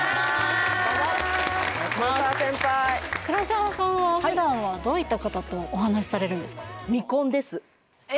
こんばんは黒沢先輩黒沢さんは普段はどういった方とお話しされるんですか？